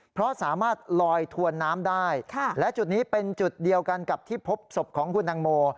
เพราะสามารถลอยถวนน้ำได้และจุดนี้เป็นจุดเดียวกันกับที่พบศพของคุณตังโม